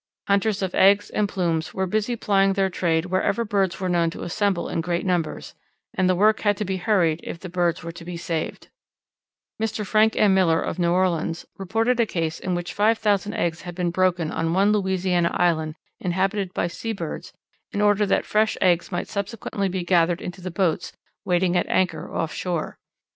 Hunters of eggs and plumes were busy plying their trades wherever birds were known to assemble in great numbers, and the work had to be hurried if the birds were to be saved. [Illustration: The Downy Woodpecker is fond of suet] Mr. Frank M. Miller, of New Orleans, reported a case in which five thousand eggs had been broken on one Louisiana island inhabited by sea birds in order that fresh eggs might subsequently be gathered into the boats waiting at anchor off shore.